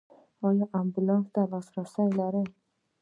ایا امبولانس ته لاسرسی لرئ؟